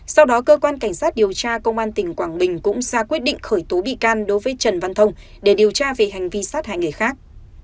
sau đó cơ quan cảnh sát điều tra công an tỉnh quảng bình cũng ra quyết định khởi tố bị can đối với trần văn thông để điều tra về hành vi sát hại người khác